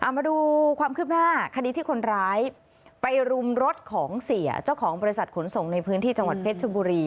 มาดูความคืบหน้าคดีที่คนร้ายไปรุมรถของเสียเจ้าของบริษัทขนส่งในพื้นที่จังหวัดเพชรชบุรี